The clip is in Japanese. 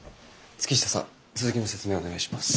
月下さん続きの説明お願いします。